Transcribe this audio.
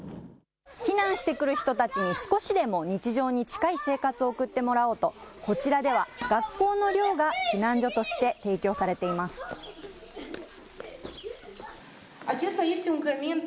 避難してくる人たちに少しでも日常に近い生活を送ってもらおうと、こちらでは学校の寮が避難所として提供されています。